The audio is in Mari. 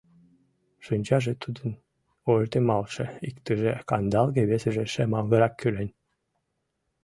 Шинчаже тудын ойыртемалтше: иктыже кандалге, весыже шемалгырак-кӱрен.